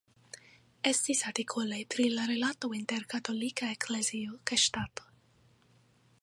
Estis artikoloj pri la rilato inter Katolika Eklezio kaj Ŝtato.